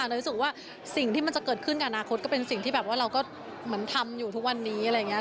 เลยรู้สึกว่าสิ่งที่มันจะเกิดขึ้นกับอนาคตก็เป็นสิ่งที่แบบว่าเราก็เหมือนทำอยู่ทุกวันนี้อะไรอย่างนี้